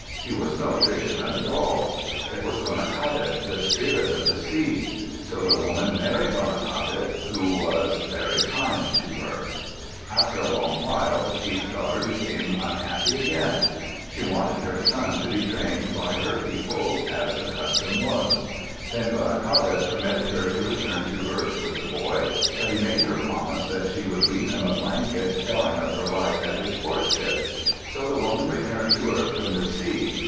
he was no fisherman at all. It was Gonaqadet, the spirit of the sea. So the woman married Gonaqadet, who was very kind to her. [Illustration: A Chilkat Blanket] [Illustration: Alaskan Baskets Copyrighted by F. H. Nowell] After a long while, the chief's daughter became unhappy again. She wanted her son to be trained by her people, as the custom was. Then Gonaqadet permitted her to return to earth with the boy, but he made her promise that she would weave him a blanket telling of her life and his courtship. So the woman returned to earth from the sea.